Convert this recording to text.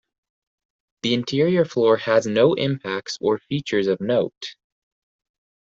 The interior floor has no impacts or features of note.